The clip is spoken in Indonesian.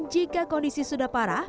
jika kondisi sudah parah